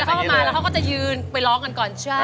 เข้ามาแล้วเขาก็จะยืนไปร้องกันก่อนใช่